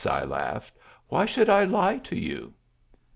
I laughed, "why should I lie to you?"